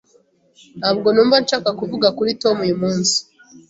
Ntabwo numva nshaka kuvuga kuri Tom uyumunsi.